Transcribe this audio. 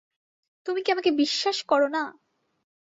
তুমি কি আমাকে বিশ্বাস করো না?